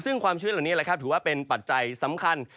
ซึ่งความชื้นเหล่านี้แหละครับถือว่าเป็นปัจจัยสำคัญ